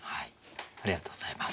ありがとうございます。